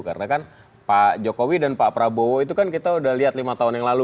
karena kan pak jokowi dan pak prabowo itu kan kita udah lihat lima tahun yang lalu